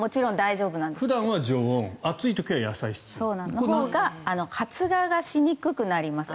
そのほうが発芽がしにくくなります。